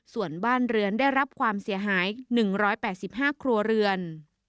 ส่วนบ้านเรือนได้รับความเสียหาย๑๘๕ครัวเรือน